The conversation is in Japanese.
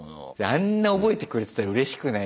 あんな覚えてくれてたらうれしくない？